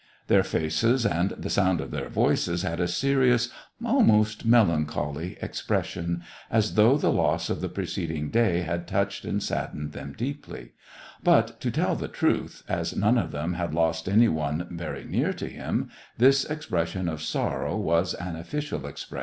Their faces and the sound of their voices had a serious, almost melancholy expression, as though the loss of the preceding day had touched and saddened them deeply ; but, to tell the truth, as none of them had lost any one very near to him, this expression of sorrow was an official expres SEVASTOPOL IN MAY.